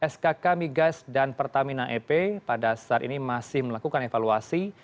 skk migas dan pertamina ep pada saat ini masih melakukan evaluasi